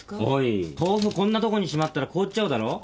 豆腐こんなとこにしまったら凍っちゃうだろう！